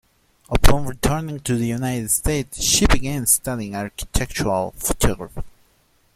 Upon returning to the United States, she began studying architectural photography.